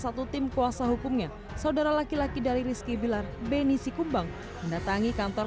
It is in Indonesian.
satu tim kuasa hukumnya saudara laki laki dari rizky bilar beni sikumbang mendatangi kantor